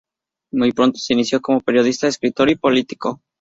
Muy pronto se inició como periodista, escritor y político.